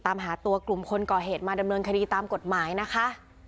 ตามหาตัวกลุ่มคนก่อเหตุมาดำเนินคดีตามกฎหมายนะคะ